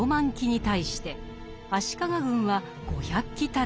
騎に対して足利軍は５００騎足らず。